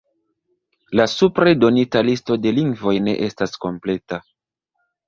La supre donita listo de lingvoj ne estas kompleta.